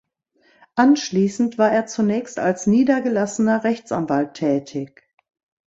Anschließend war er zunächst als niedergelassener Rechtsanwalt tätig.